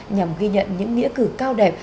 nhằm ghi nhận những nghĩa cử cao đẹp